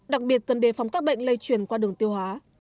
đặc biệt cần đề phòng các bệnh lây truyền qua đường tiêu hóa